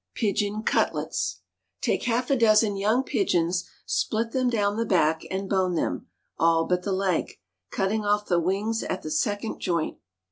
_ Pigeon Cutlets. Take half a dozen young pigeons, split them down the back, and bone them, all but the leg, cutting off the wings at the second joint.